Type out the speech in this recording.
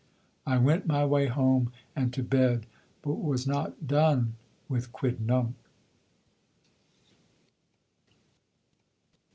I went my way home and to bed, but was not done with Quidnunc.